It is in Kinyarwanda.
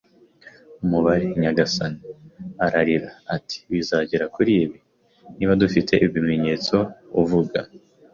“Umubare, nyagasani!” ararira. Ati: “Bizagera kuri ibi: Niba dufite ibimenyetso uvuga